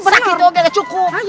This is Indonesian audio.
sakit doang gak cukup